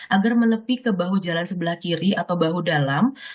agar menepi ke bahu jalan sebelah kiri atau bahu dalam